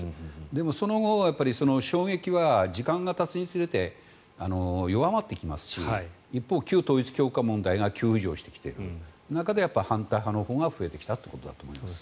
でもその後、その衝撃は時間がたつにつれて弱まってきますし一方、旧統一教会問題が急浮上してきている中で反対派のほうが増えてきたということだと思います。